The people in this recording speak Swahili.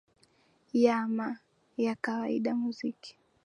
ya ma ya kawaida muziki